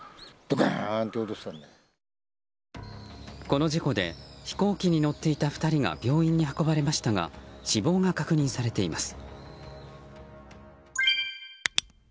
この事故で飛行機に乗っていた２人が病院に運ばれましたが死亡が確認されています。